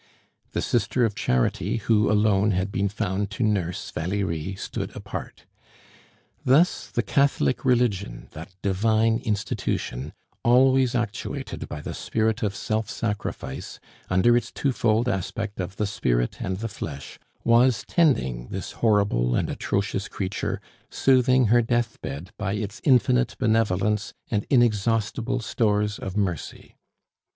The sister of charity who alone had been found to nurse Valerie stood apart. Thus the Catholic religion, that divine institution, always actuated by the spirit of self sacrifice, under its twofold aspect of the Spirit and the Flesh, was tending this horrible and atrocious creature, soothing her death bed by its infinite benevolence and inexhaustible stores of mercy.